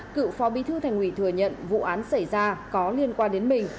cựu phó bí thư thành ủy thừa nhận vụ án xảy ra có liên quan đến mình